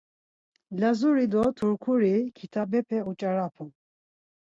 Lazuri do Turkuri kitabepe uç̌arapun.